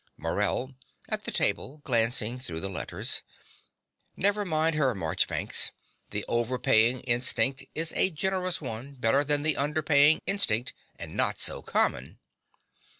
MORELL (at the table, glancing through the letters). Never mind her, Marchbanks. The overpaying instinct is a generous one: better than the underpaying instinct, and not so common.